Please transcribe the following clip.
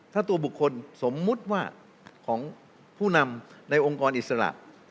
ถ้าตัวบุคคลสมมุติว่าของผู้นำในองค์กรอิสระ